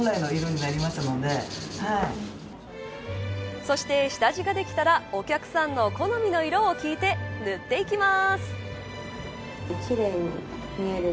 そして、下地ができたらお客さんの好みの色を聞いて、塗っていきます。